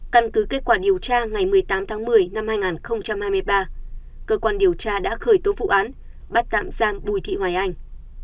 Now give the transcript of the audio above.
căn cứ kết quả điều tra ngày một mươi tám tháng một mươi năm hai nghìn hai mươi ba cơ quan điều tra đã khởi tố vụ án bắt tạm giam bùi thị hoài anh